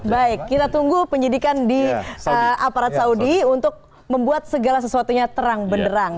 baik kita tunggu penyidikan di aparat saudi untuk membuat segala sesuatunya terang benderang